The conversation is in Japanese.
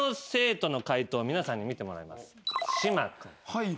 はい。